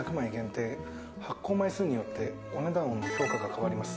発行枚数によってお値段の評価が変わります。